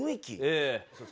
ええ。